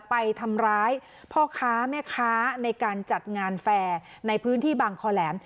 ไปทำร้ายพ่อค้าแม่ค้าในการจัดงานแฟร์ในพื้นที่บางคอแหลม